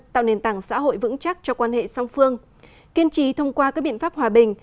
tạo nền tảng xã hội vững chắc cho quan hệ song phương kiên trí thông qua các biện pháp hòa bình